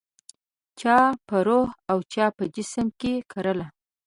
چا په روح او چا په جسم کې کرله